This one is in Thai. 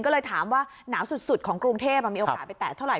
ก็เลยถามว่าหนาวสุดของกรุงเทพมีโอกาสไปแตะเท่าไห